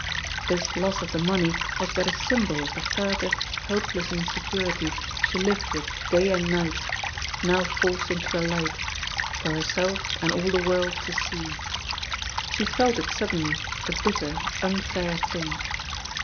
This loss of the money was but a symbol of the furtive, hopeless insecurity she lived with day and night, now forced into the light, for herself and all the world to see. She felt it suddenly a bitter, unfair thing.